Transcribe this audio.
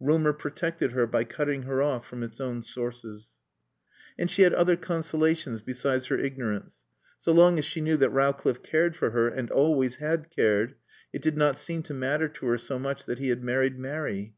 Rumor protected her by cutting her off from its own sources. And she had other consolations besides her ignorance. So long as she knew that Rowcliffe cared for her and always had cared, it did not seem to matter to her so much that he had married Mary.